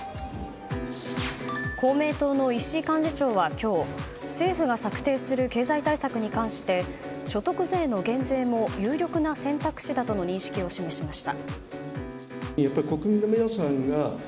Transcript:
公明党の石井幹事長は今日政府が策定する経済対策に関して所得税の減税も有力な選択肢だとの認識を示しました。